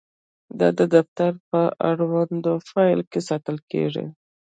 دا د دفتر په اړونده فایل کې ساتل کیږي.